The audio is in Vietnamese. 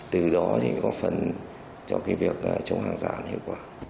từ đó thì có phần cho cái việc chống hàng giả hiệu quả